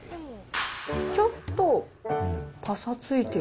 ちょっとぱさついてる。